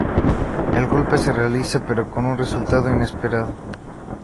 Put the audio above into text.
El golpe se realiza, pero con un resultado inesperado.